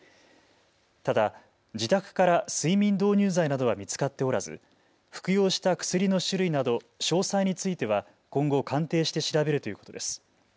ただ自宅から睡眠導入剤などは見つかっておらず服用した薬の種類など詳細については今後鑑定して調べるということです。